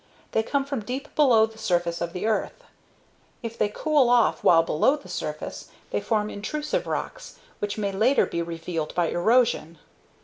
They come from deep below the surface of the earth. If they cool off while below the surface, they form intrusive rocks, which may later be revealed by erosion.